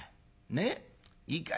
ねっいいかい？